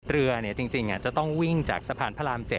เรือจริงจะต้องวิ่งจากสะพานพระราม๗